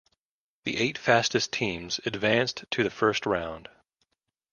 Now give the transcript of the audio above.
The eight fastest teams advanced to the first round.